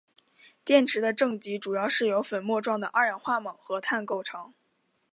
电池的正极主要是由粉末状的二氧化锰和碳构成。